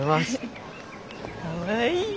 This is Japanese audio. かわいい。